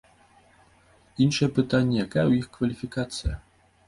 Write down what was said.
Іншае пытанне, якая ў іх кваліфікацыя.